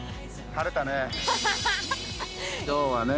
◆晴れたね。